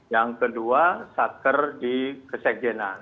yang kedua sakker di sekjenan